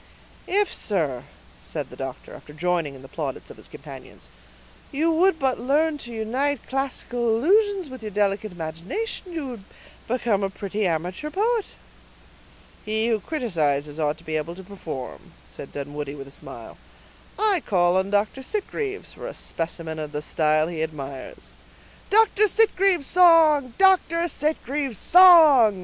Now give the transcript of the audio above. "If, sir," said the doctor, after joining in the plaudits of his companions, "you would but learn to unite classical allusions with your delicate imagination you would become a pretty amateur poet." "He who criticizes ought to be able to perform," said Dunwoodie with a smile. "I call on Dr. Sitgreaves for a specimen of the style he admires." "Dr. Sitgreaves' song! Dr. Sitgreaves' song!"